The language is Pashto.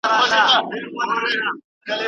لیونی غوندې په ورکو لارو سر شوم